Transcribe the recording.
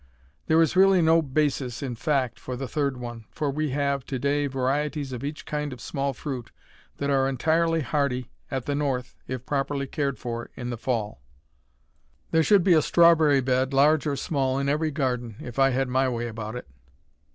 There is really no basis in fact for the third one, for we have, to day, varieties of each kind of small fruit that are entirely hardy at the North if properly cared for in the fall. There should be a strawberry bed, large or small, in every garden, if I had my way about it.